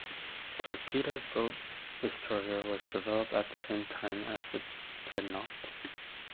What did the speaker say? The torpedo-boat destroyer was developed at the same time as the dreadnoughts.